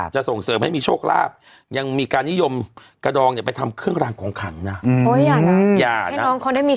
จะส่งเสิร์ฟให้มีโชคลาภยังมีการิยมกระดองไปทำเครื่องรางของขัง